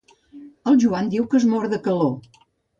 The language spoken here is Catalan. El Joan diu que es mor de calor.